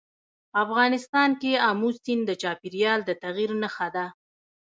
افغانستان کې آمو سیند د چاپېریال د تغیر نښه ده.